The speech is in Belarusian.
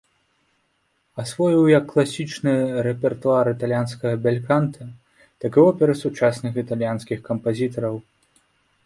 Асвоіў як класічны рэпертуар італьянскага бельканта, так і оперы сучасных італьянскіх кампазітараў.